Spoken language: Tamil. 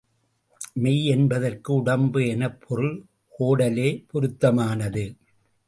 மெய் என்பதற்கு உடம்பு எனப் பொருள் கோடலே பொருத்தமானது.